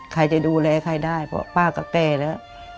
ใครจะดูแลใครได้เพราะป้ากับแป้แล้ว